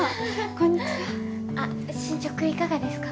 こんにちはあっ進捗いかがですか？